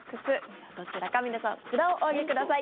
さあ、どちらか皆さん札をお上げください。